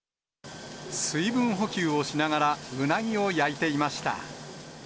水分補給をしながらうなぎを焼いていました。